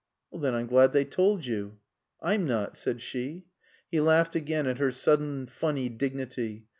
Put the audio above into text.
"Then I'm glad they told you." "I'm not," said she. He laughed again at her sudden funny dignity.